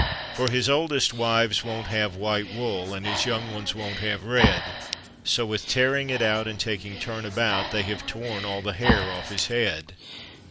For his oldest wives won't have white wool, And his young ones won't have red, So, with tearing it out, and taking turn about, They have torn all the hair off his head.